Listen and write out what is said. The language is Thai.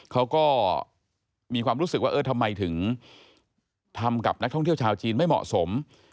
เขาก็มีความรู้สึกว่าเออทำไมถึงทำกับนักท่องเที่ยวชาวจีนไม่เหมาะสม